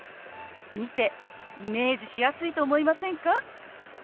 見てイメージしやすいと思いませんか？